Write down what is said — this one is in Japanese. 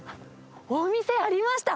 お店ありました。